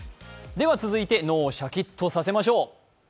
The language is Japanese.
続いて、脳をシャキッとさせましょう。